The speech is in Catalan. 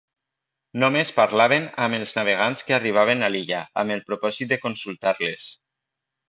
Només parlaven amb els navegants que arribaven a l'illa amb el propòsit de consultar-les.